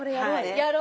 やろう。